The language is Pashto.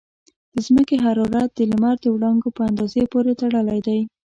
د ځمکې حرارت د لمر د وړانګو په اندازه پورې تړلی دی.